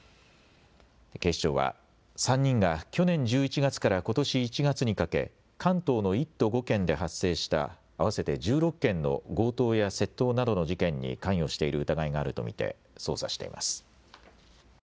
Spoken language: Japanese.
警視庁は３人が去年１１月からことし１月にかけ関東の１都５県で発生した合わせて１６件の強盗や窃盗などの事件に関与している疑いがあると見て捜査しています。